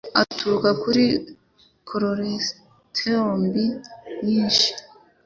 aturuka kuri cholesterol mbi nyinshi,